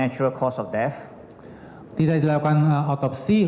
tidak dilakukan otopsi